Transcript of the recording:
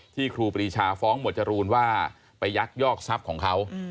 ครูปรีชาฟ้องหมวดจรูนว่าไปยักยอกทรัพย์ของเขา